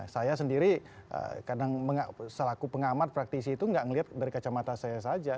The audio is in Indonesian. saya sendiri kadang selaku pengamat praktisi itu nggak melihat dari kacamata saya saja